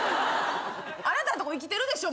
あなたんとこ生きてるでしょ。